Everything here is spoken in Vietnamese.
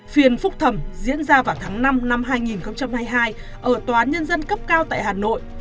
phiền phúc thẩm diễn ra vào tháng năm năm hai nghìn hai mươi hai ở tòa án nhân dân cấp cao tại hà nội